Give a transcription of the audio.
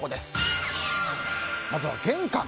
まずは玄関。